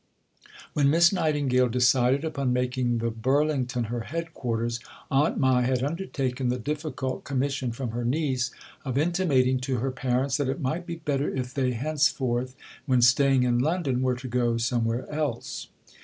When Miss Nightingale decided upon making the Burlington her headquarters, Aunt Mai had undertaken the difficult commission from her niece of intimating to her parents that it might be better if they henceforth, when staying in London, were to go somewhere else.